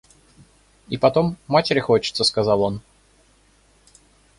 И потом матери хочется, — сказал он.